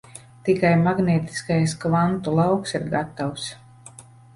Tikai magnētiskais kvantu lauks ir gatavs.